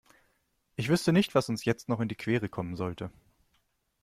Ich wüsste nicht, was uns jetzt noch in die Quere kommen sollte.